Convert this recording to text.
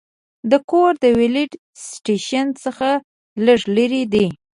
دا کور د ویلډ سټیشن څخه لږ لرې دی